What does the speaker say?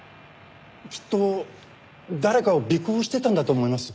きっと誰かを尾行してたんだと思います。